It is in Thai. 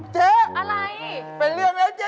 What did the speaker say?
จะบ้าเหรอเจ๊